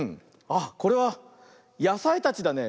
あっこれはやさいたちだね。